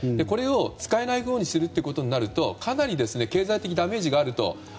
これを使えないようにするとなるとかなり経済的なダメージがあると。